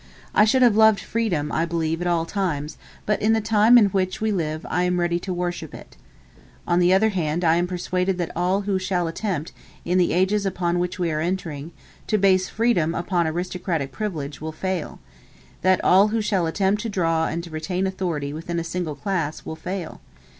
I should have loved freedom, I believe, at all times, but in the time in which we live I am ready to worship it. On the other hand, I am persuaded that all who shall attempt, in the ages upon which we are entering, to base freedom upon aristocratic privilege, will fail that all who shall attempt to draw and to retain authority within a single class, will fail.